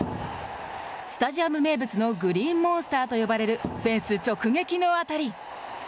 スタジアム名物のグリーンモンスターと呼ばれるフェンス直撃の当たり。